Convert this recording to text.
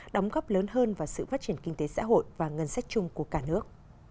đóng góp lớn hơn vào sự phát triển kinh tế xã hội và ngân sách chung của cả nước